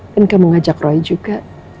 dan kamu ngajak roy juga